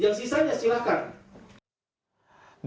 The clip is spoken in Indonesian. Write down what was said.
yang sisanya silahkan